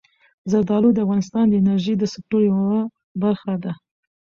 زردالو د افغانستان د انرژۍ د سکتور یوه برخه ده.